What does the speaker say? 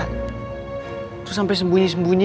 terus sampe sembunyi sembunyi